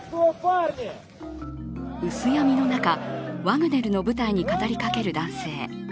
薄闇の中、ワグネルの部隊に語りかける男性。